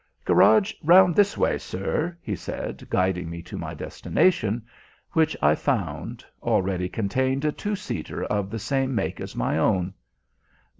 "Garage round this way, sir," he said, guiding me to my destination, which, I found, already contained a two seater of the same make as my own.